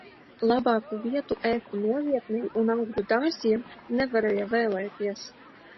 Labāku vietu ēku novietnei un augļu dārziem nevarēja vēlēties.